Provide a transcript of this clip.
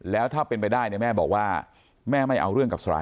แล้วถ้าเป็นไปได้เนี่ยแม่บอกว่าแม่ไม่เอาเรื่องกับสไต